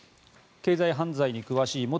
経済犯罪に詳しい元